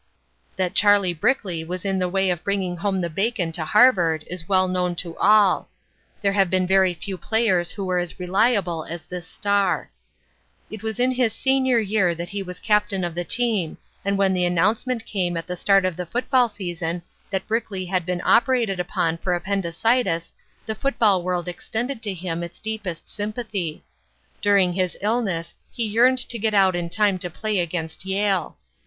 That Charlie Brickley was in the way of bringing home the bacon to Harvard is well known to all. There have been very few players who were as reliable as this star. It was in his senior year that he was captain of the team and when the announcement came at the start of the football season that Brickley had been operated upon for appendicitis the football world extended to him its deepest sympathy. During his illness he yearned to get out in time to play against Yale.